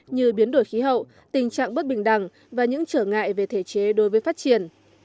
như biến đổi khí hậu tình trạng bất bình đẳng và những trở ngại về thể chế đối với phát triển